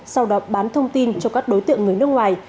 sau đó bán thông tin cho các đối tượng người nước ngoài